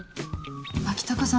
牧高さん